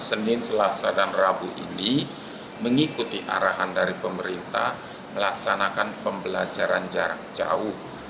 senin selasa dan rabu ini mengikuti arahan dari pemerintah melaksanakan pembelajaran jarak jauh